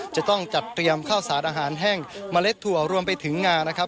จะต้องจัดเตรียมข้าวสารอาหารแห้งเมล็ดถั่วรวมไปถึงงานะครับ